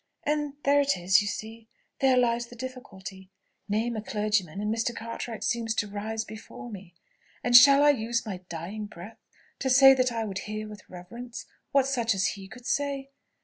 And there it is, you see there lies the difficulty. Name a clergyman, and Mr. Cartwright seems to rise before me. And shall I use my dying breath to say that I would hear with reverence what such as he could say?